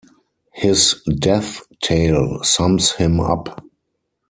His death-tale sums him up.